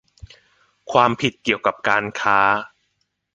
ความผิดเกี่ยวกับการค้า